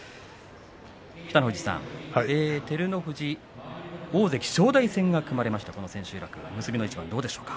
北の富士さん、照ノ富士大関正代戦が組まれました千秋楽、結びの一番どうですか。